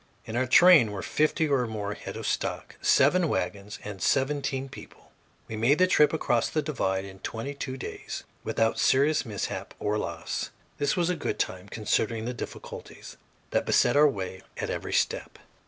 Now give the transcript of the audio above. In our train were fifty or more head of stock, seven wagons, and seventeen people. We made the trip across the divide in twenty two days without serious mishap or loss. This was good time, considering the difficulties that beset our way at every step.